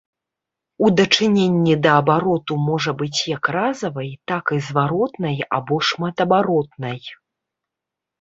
У дачыненні да абароту можа быць як разавай, так і зваротнай або шматабаротнай.